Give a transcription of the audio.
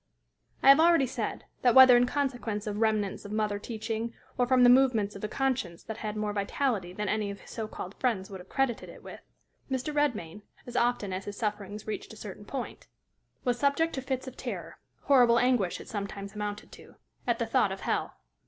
I have already said that, whether in consequence of remnants of mother teaching or from the movements of a conscience that had more vitality than any of his so called friends would have credited it with, Mr. Redmain, as often as his sufferings reached a certain point, was subject to fits of terror horrible anguish it sometimes amounted to at the thought of hell.